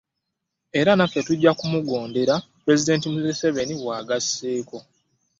Era naffe, tujja kumugondera, Pulezidenti Museveni bw'agasseeko.